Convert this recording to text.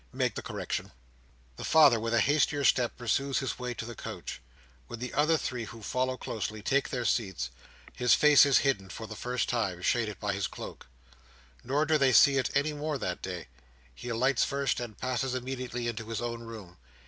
Make the correction." The father, with a hastier step, pursues his way to the coach. When the other three, who follow closely, take their seats, his face is hidden for the first time—shaded by his cloak. Nor do they see it any more that day. He alights first, and passes immediately into his own room.